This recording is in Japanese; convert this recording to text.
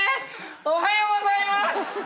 おはようございます！